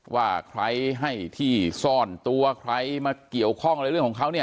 ว่าใครให้ที่ซ่อนตัวใครมาเกี่ยวข้องอะไรเรื่องของเขาเนี่ย